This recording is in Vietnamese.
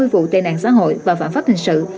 một trăm năm mươi vụ tệ nạn xã hội và phản pháp hình sự